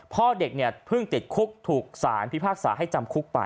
พ่อเด็กเนี่ยเพิ่งติดคุกถูกสารพิพากษาให้จำคุกไป